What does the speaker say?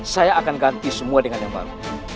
saya akan ganti semua dengan yang baru